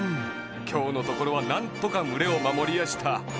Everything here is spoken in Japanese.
きょうのところはなんとかむれをまもりやした。